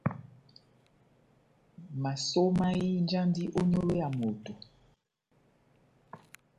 Masó mahinjandi ó nyolo ya moto.